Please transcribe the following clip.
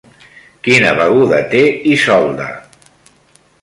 Quina beguda té Isolda?